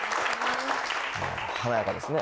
華やかですね。